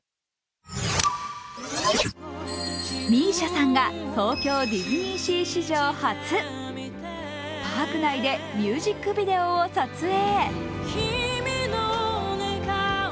ＭＩＳＩＡさんが東京ディズニーシー史上初、パーク内でミュージックビデオを撮影。